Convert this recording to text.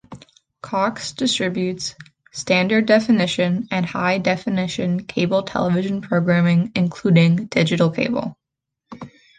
Cox distributes standard definition and high-definition cable television programming, including Digital Cable.